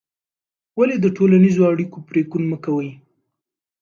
ولې د ټولنیزو اړیکو پرېکون مه کوې؟